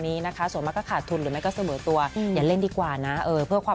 พี่บุ๋มเล่นแชร์ไหมคะ